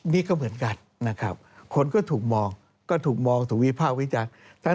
นี่ก็เหมือนกันคนก็ถูกมองถูกวิภาควิจารณ์